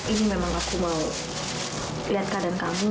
ini memang aku mau lihat keadaan kamu